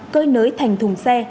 cơi nới thành thùng xe